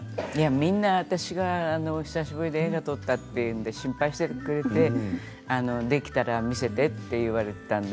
みんな私が久しぶりに映画を撮ったというので心配してくれてできたら見せてと言われたので。